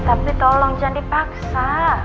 tapi tolong jangan dipaksa